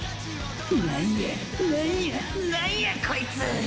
何や何や何やこいつ！！